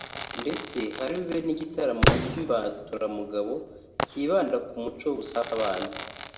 ndetse hari bube n’igitaramo cy’imbaturamugabo cyibanda ku muco n’ubusabane